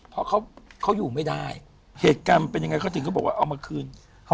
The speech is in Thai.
เพราะเขาอยู่ไม่ได้เหตุการณ์มันเป็นยังไงเขาถึงเขาบอกว่าเอามาคืน